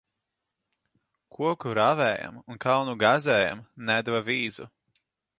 Koku rāvējam un kalnu gāzējam nedeva vīzu.